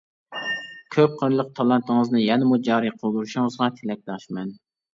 كۆپ قىرلىق تالانتىڭىزنى يەنىمۇ جارى قىلدۇرۇشىڭىزغا تىلەكداشمەن.